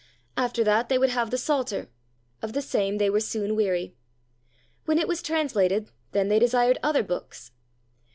After that they would have the Psalter; of the same they were soon weary; when it was translated, then they desired other books.